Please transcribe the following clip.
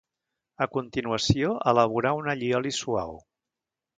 A continuació elaborar un allioli suau.